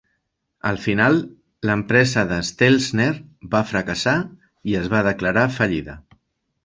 Al final, l'empresa de Stelzner va fracassar i es va declarar fallida.